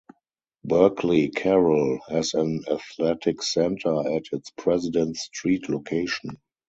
Berkeley Carroll has an athletic center at its President Street location.